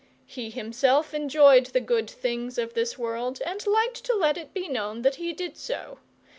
He himself enjoyed the good things of this world, and liked to let it be known that he did so.